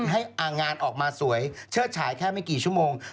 ให้งานออกมาสวยเชิดฉายแค่ไม่กี่ชั่วโมง